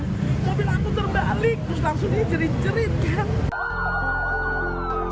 mobil aku terbalik terus langsung dia jerit jerit kan